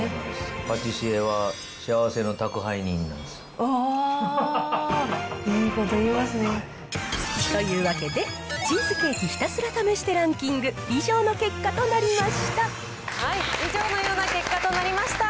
パティシエは幸せの宅配人なんですよ。というわけで、チーズケーキひたすら試してランキング、以上の結果となりました。